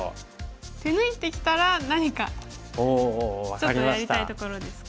手抜いてきたら何かちょっとやりたいところですか。